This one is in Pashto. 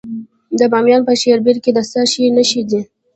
د بامیان په شیبر کې د څه شي نښې دي؟